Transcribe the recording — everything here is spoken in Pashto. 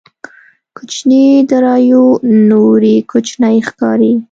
کوچنيې داراییو نورې کوچنۍ ښکاري.